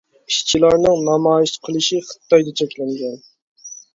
ئىشچىلارنىڭ نامايىش قىلىشى خىتايدا چەكلەنگەن!